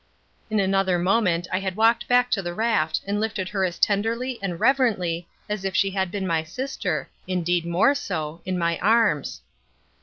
In another moment I had walked back to the raft and lifted her as tenderly and reverently as if she had been my sister indeed more so in my arms.